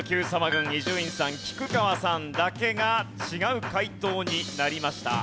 軍伊集院さん菊川さんだけが違う解答になりました。